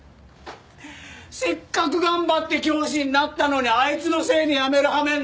せっかく頑張って教師になったのにあいつのせいで辞める羽目になって。